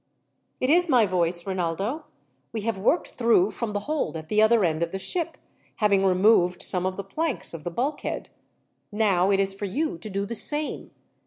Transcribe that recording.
"It is my voice, Rinaldo. We have worked through from the hold at the other end of the ship, having removed some of the planks of the bulkhead. Now it is for you to do the same.